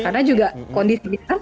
karena juga kondisi